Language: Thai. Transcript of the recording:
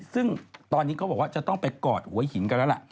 ซึ่งตอนนี้เขาบอกว่าจะต้องไปกอดหัวหินกันแล้วล่ะ